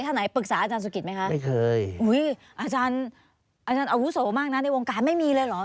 อาจารย์อาวุโสมากในวงการไม่มีเลยเหรอ